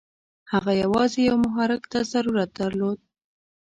هغه یوازې یوه محرک ته ضرورت درلود.